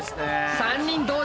３人同時。